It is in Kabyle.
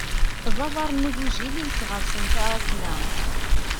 D aḍar n ugujil i yesɣersen taṛakna.